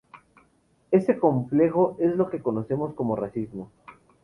Ese complejo es lo que conocemos como racismo.